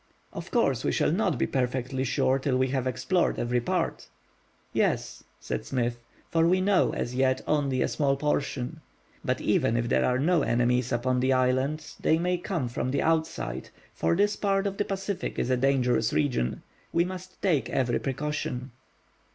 "Of course we shall not be perfectly sure till we have explored every part." "Yes," said Smith, "for we know as yet only a small portion. But even if there are no enemies upon the island, they may come from the outside, for this part of the Pacific is a dangerous region. We must take every precaution."